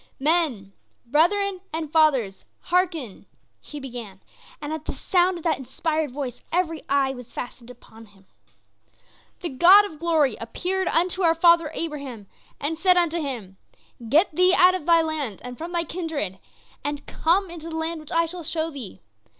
"Men, brethren and fathers, hearken!" he began, and at the sound of that inspired voice every eye was fastened upon him. "The God of glory appeared unto our father Abraham and said unto him: 'Get thee out of thy land and from thy kindred, and come into the land which I shall show thee.